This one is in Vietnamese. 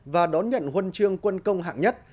và đón nhận huân chương quân công hạng nhất